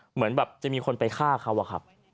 เหมือนแบบจะมีคนไปฆ่าเขาอะครับ